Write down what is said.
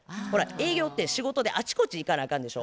営業って仕事であちこち行かなあかんでしょ。